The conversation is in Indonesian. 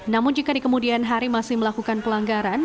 namun jika di kemudian hari masih melakukan pelanggaran